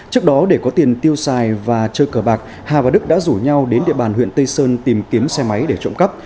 trước đó để có tiền tiêu xài và chơi cờ bạc hà và đức đã rủ nhau đến địa bàn huyện tây sơn tìm kiếm xe máy để trộm cắp